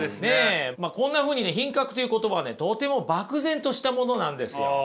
こんなふうにね品格という言葉はねとても漠然としたものなんですよ。